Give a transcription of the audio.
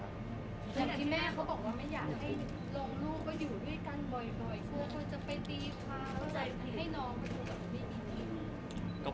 อย่างที่แม่เขาบอกว่าไม่อยากให้ลองลูกมาอยู่ด้วยกันบ่อย